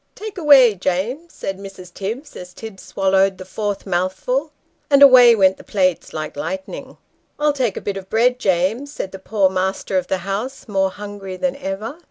"Take away, James," said Mrs. Tibbs, as Tibbs swallowed the fourth mouthful and away went the plates like lightning. " I'll take a bit of bread, James," said the poor " master of the house," more hungry than ever.